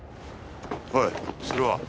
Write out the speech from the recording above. おいそれは？